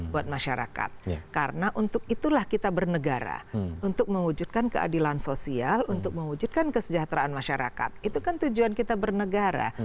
buat masyarakat karena untuk itulah kita bernegara untuk mewujudkan keadilan sosial untuk mewujudkan kesejahteraan masyarakat itu kan tujuan kita bernegara